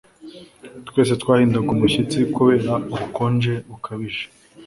Twese twahindaga umushyitsi kubera ubukonje bukabije